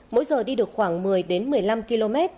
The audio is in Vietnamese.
mỗi giờ đi được khoảng một mươi một mươi năm km